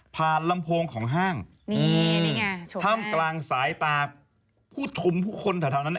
ผ่านลำโพงของห้างนี่นี่ไงถ้ำกลางสายตาผู้ทุมผู้คนเท่าเท่านั้น